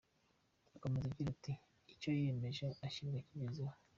Akomeza agira ati “icyo yiyemeje, ashirwa akigezeho”.